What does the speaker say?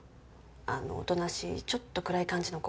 あのおとなしいちょっと暗い感じの子。